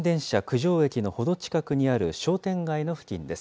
じょう駅の程近くにある商店街の付近です。